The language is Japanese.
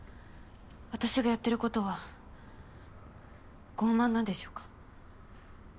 私がやってることは傲慢なんでしょうか？